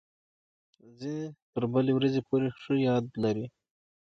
ځینې تر بلې ورځې پورې ښه یاد لري.